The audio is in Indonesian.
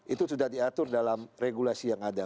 itu sudah diatur dalam regulasi yang ada